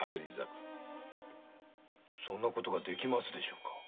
そんな事ができますでしょうか？